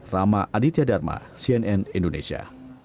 rama aditya dharma cnn indonesia